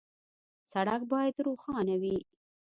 سړک باید روښانه وي.